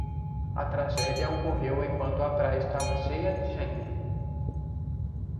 A tragédia ocorreu enquanto a praia estava cheia de gente.